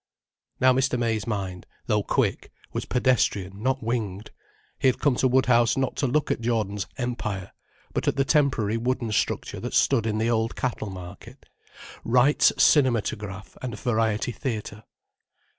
Now Mr. May's mind, though quick, was pedestrian, not winged. He had come to Woodhouse not to look at Jordan's "Empire," but at the temporary wooden structure that stood in the old Cattle Market—"Wright's Cinematograph and Variety Theatre."